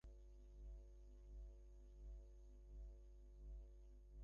আমাকে যাইতে হইয়াছিল, কারণ এই বিস্তৃতিই জাতীয় জীবনের পুনরভ্যুদয়ের প্রথম চিহ্ন।